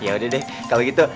yaudah deh kalau gitu